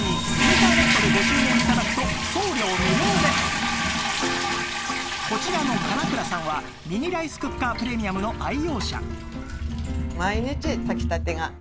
さらにこちらの神永倉さんはミニライスクッカープレミアムの愛用者